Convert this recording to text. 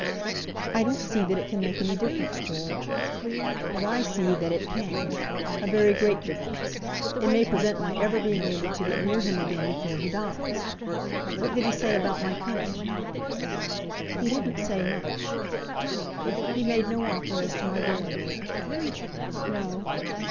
"I don't see that it can make any difference, George." "But I see that it can, a very great difference. It may prevent my ever being able to get near him again before he dies. What did he say about my coming?" "He didn't say much." "He made no offer as to my going there?" "No."